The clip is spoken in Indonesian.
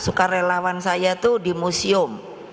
sukarelawan saya itu di museum